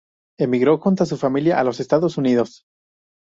Emigró junto a su familia a los Estados Unidos.